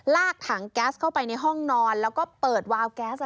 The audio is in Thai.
ลากถังแก๊สเข้าไปในห้องนอนแล้วก็เปิดวาวแก๊ส